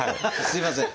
すいません。